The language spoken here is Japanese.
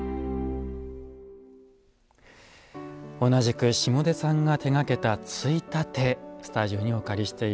同じく下出さんが手がけたついたてスタジオにお借りしています。